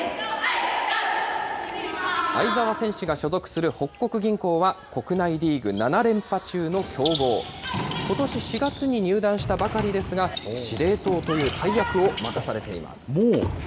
相澤選手が所属する北國銀行は、国内リーグ７連覇中の強豪。ことし４月に入団したばかりですが、司令塔という大役を任されています。